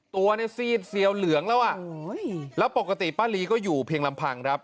ตัวเนี่ยซีดเซียวเหลืองแล้วอ่ะแล้วปกติป้าลีก็อยู่เพียงลำพังครับ